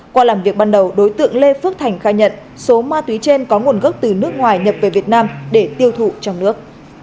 qua làm việc ban đầu đối tượng lê phước thành khai nhận số ma túy trên có nguồn gốc từ nước ngoài nhập về việt nam để tiêu thụ trong nước